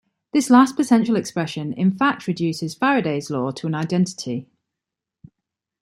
This last potential expression in fact reduces Faraday's law to an identity.